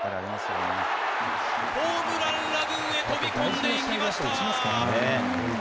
ホームランラグーンへ飛び込んでいきました。